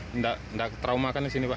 tidak tidak ketraumatkan di sini pak